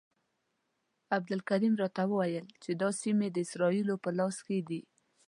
عبدالکریم راته وویل چې دا سیمې د اسرائیلو په لاس کې دي.